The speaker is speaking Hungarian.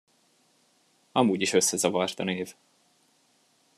Amúgy is összezavart a név.